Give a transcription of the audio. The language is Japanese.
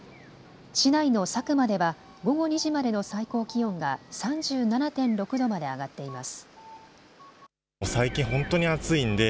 市内の佐久間では午後２時までの最高気温が３７．６度まで上がっています。